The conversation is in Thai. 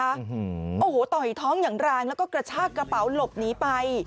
โอ้โหโอ้โหต่อยท้องอย่างแรงแล้วก็กระชากระเป๋าหลบหนีไป